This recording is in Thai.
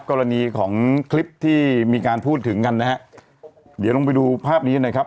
กรณีของคลิปที่มีการพูดถึงกันนะฮะเดี๋ยวลงไปดูภาพนี้นะครับ